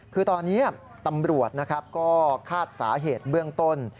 คือตอนนี้ตำรวจนะครับก็คาดสาเหตุเบื้องต้น